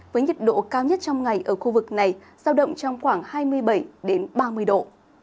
với nhiệt độ cao nhất trong ngày ở khu vực này sao động trong khoảng hai mươi bảy ba mươi độ